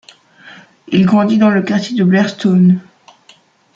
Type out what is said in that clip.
Il grandit dans le quartier de Blairstown.